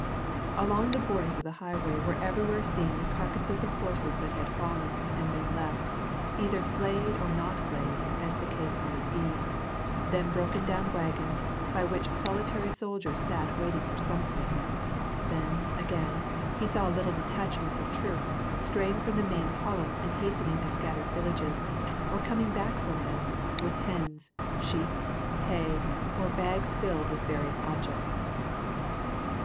Along the borders of the highway were everywhere seen the carcasses of horses that had fallen, and been left, either flayed or not flayed, as the case might be ; then broken^own wagons, by which solitary soldiers sat waiting for something ; then, again, he saw little detachments of troops straying from the ittain column and hastening to scattered villages, or coming back from them, with hens, sheep, hay, or bags filled with va rious objects.